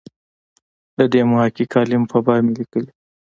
د دې محقق عالم په باب مې لیکلي.